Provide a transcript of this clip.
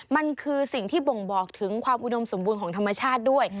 มันคือสิ่งที่บ่งบอกถึงความอุดมสมบูรณ์ของธรรมชาติด้วย